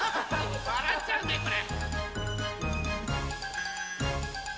わらっちゃうねこれ。